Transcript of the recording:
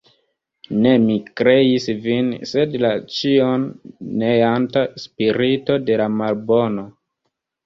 Ne mi kreis vin, sed la ĉion neanta spirito de la Malbono.